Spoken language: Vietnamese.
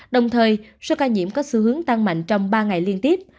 đồng thời số ca nhiễm có xu hướng tăng mạnh trong ba ngày liên tiếp